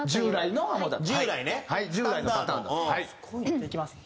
じゃあいきますね。